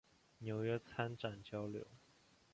纽约参展交流